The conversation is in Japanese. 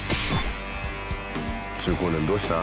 中高年どうした？